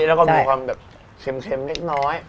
แล้วก็มีความแบบเค็มเล็กน้อย